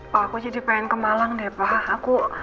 pak aku jadi pengen kemalang deh pak